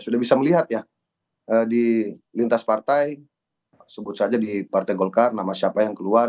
sudah bisa melihat ya di lintas partai sebut saja di partai golkar nama siapa yang keluar